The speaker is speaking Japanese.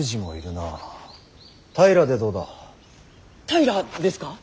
平ですか？